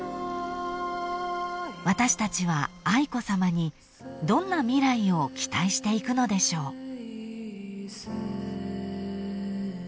［私たちは愛子さまにどんな未来を期待していくのでしょう］